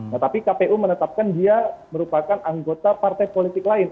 tetapi kpu menetapkan dia merupakan anggota partai politik lain